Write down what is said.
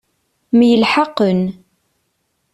Myelḥaqen.